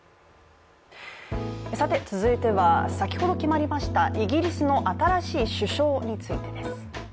続いては、先ほど決まりましたイギリスの新しい首相についてです。